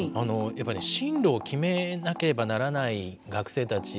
進路を決めなければならない学生たち。